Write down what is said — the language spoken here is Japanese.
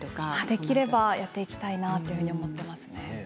できればやっていきたいなと思っていますね。